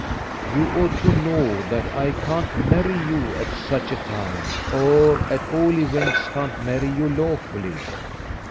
You ought to know that I can't marry you at such a time, or, at all events, can't marry you lawfully.